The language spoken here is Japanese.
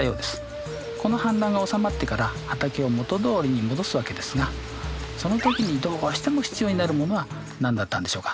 この氾濫がおさまってから畑を元どおりに戻すわけですがその時にどうしても必要になるものは何だったんでしょうか？